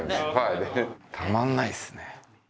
たまんないっすね。